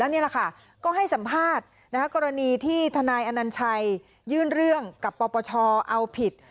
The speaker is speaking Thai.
นี่แหละค่ะก็ให้สัมภาษณ์กรณีที่ทนายอนัญชัยยื่นเรื่องกับปปชเอาผิด